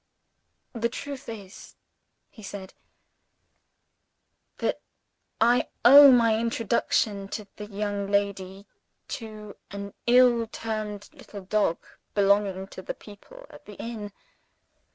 "The truth is," he said, "that I owe my introduction to the young lady to an ill tempered little dog belonging to the people at the inn.